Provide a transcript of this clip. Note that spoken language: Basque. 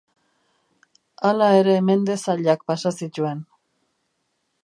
Hala ere mende zailak pasa zituen.